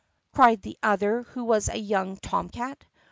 cried the other who was a young tomcat.